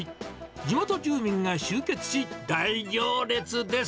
地元住民が集結し、大行列です。